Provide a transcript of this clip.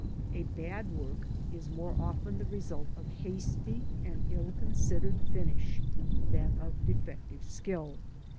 A bad work is more often the result of hasty and ill considered finish than of defective skill.